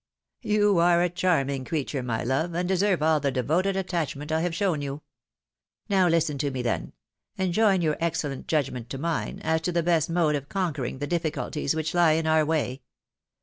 " Tou are a charming creature, my love, and deserve all the devoted attachment I have shown you. Now Usten to me, then, and join your excellent judgment to mine, as to the best mode of conquering the difficulties which lie in ova way.